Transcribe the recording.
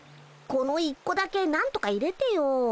この１個だけなんとか入れてよ。